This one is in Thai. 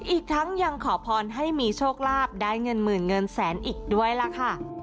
อีกทั้งยังขอพรให้มีโชคลาภได้เงินหมื่นเงินแสนอีกด้วยล่ะค่ะ